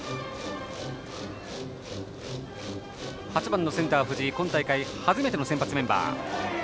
８番のセンター、藤井今大会初めての先発メンバー。